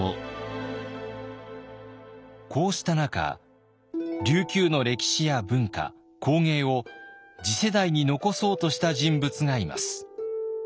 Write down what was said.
こうした中琉球の歴史や文化工芸を次世代に残そうとした人物がいます。